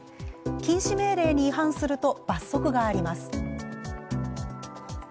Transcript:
禁止命令に違反すると罰則があります。